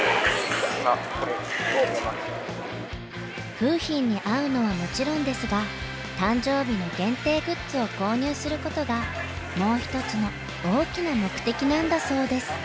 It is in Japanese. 楓浜に会うのはもちろんですが誕生日の限定グッズを購入することがもう一つの大きな目的なんだそうです。